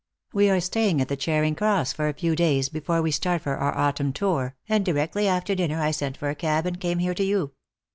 We are staying at the Charing Cross for a few days before we start for our autumn tour, and directly after dinner I sent for a cab and came here to you.